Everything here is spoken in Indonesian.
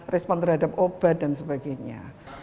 respon terhadap obat dan sebagainya